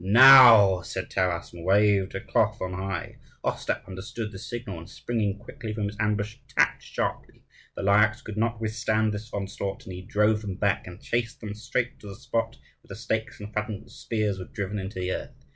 "Now," said Taras, and waved a cloth on high. Ostap understood this signal and springing quickly from his ambush attacked sharply. The Lyakhs could not withstand this onslaught; and he drove them back, and chased them straight to the spot where the stakes and fragments of spears were driven into the earth.